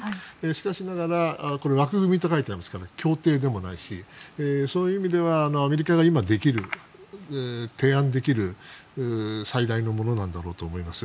しかしながら、これは枠組みと書いてありますから協定でもないしそういう意味ではアメリカが今、提案できる最大のものなんだろうと思います。